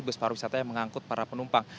bus pariwisata yang mengangkut para penumpang